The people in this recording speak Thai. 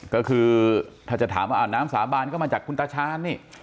ก็คือถ้าจะถามว่าน้ำสาบานก็มาจากคุณตาชาญนี่